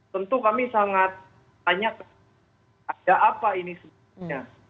tentu kami sangat tanyakan ada apa ini sebenarnya